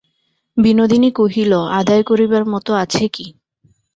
বিনোদিনী কহিল, আদায় করিবার মতো আছে কী।